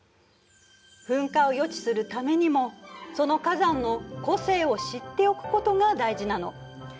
噴火を予知するためにもその火山の個性を知っておくことが大事なの。